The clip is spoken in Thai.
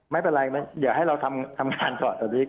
มันประนันไงครับเดี๋ยวให้เราทำงานก่อน